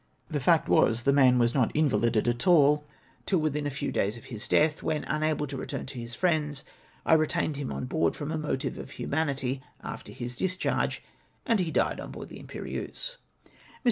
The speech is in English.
'' The fact was, that the man was not invalided at all till within a few days of his death, when, unable to return to his friends, I retained him on board from a motive of humanity after his dis charge, and he died^ on board the Imperieuse. Mr.